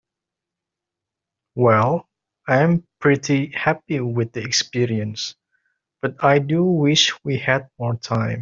Well, I am pretty happy with the experience, but I do wish we had more time.